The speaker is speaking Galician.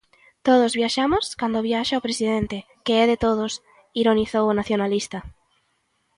"Todos viaxamos cando viaxa o presidente, que é de todos", ironizou o nacionalista.